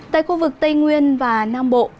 tại khu vực tây nguyên và nam bộ